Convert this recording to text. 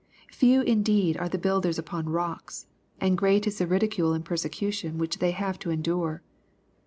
Few indeed are the builders upon rocks, and great is the ridicule and persecution which they have to endure